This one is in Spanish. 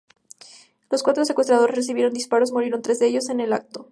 Los cuatro secuestradores recibieron disparos, muriendo tres de ellos en el acto.